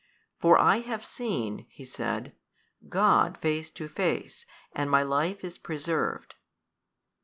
For I have seen (he said) God face to face and my life is preserved.